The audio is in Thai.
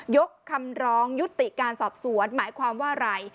ยกคำร้องยุติการสอบสวนหมายความว่าอะไร